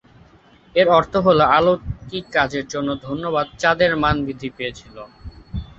এর অর্থ হল, অলৌকিক কাজের জন্য ধন্যবাদ, চাঁদের মান বৃদ্ধি পেয়েছিল।